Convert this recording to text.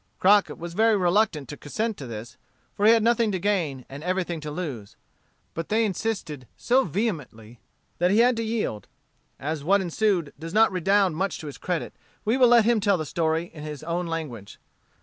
Crockett was very reluctant to consent to this, for he had nothing to gain, and everything to lose. But they insisted so vehemently that he had to yield. As what ensued does not redound much to his credit, we will let him tell the story in his own language.